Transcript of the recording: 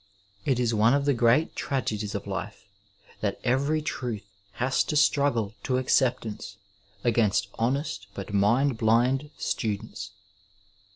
It is one of the great tragedies of life that every ixuth. has to struggle to acceptance against honest but mind blind students.